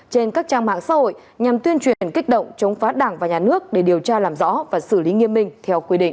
trên các trang mạng xã hội nhằm tuyên truyền kích động chống phá đảng và nhà nước để điều tra làm rõ và xử lý nghiêm minh theo quy định